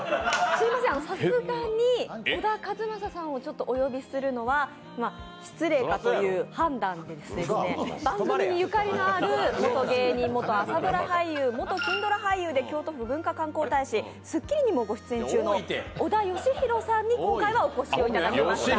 すいません、さすがに小田和正さんをお呼びするのは失礼かということで番組にゆかりのある元芸人、元朝ドラ俳優元金ドラ俳優で京都府文化観光大使、「スッキリ」にもご出演中の小田芳裕さんに今日はお越しいただきました。